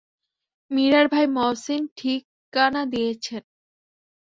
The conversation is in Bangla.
মীরার ভাই মহসিন ঠিকানা দিয়েছে।